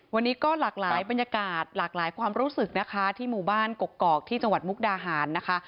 วันนี้ก็หลากหลายบรรยากาศหลากหลายความรู้สึกนะคะที่หมู่บ้านกกอกที่จังหวัดมุกดาหารนะคะ